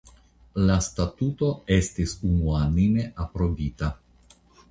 La statuto estis unuanime aprobita.